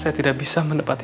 saya tidak bisa menjaga kamu